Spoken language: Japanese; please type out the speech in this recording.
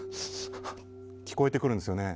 聞こえてくるんですよね。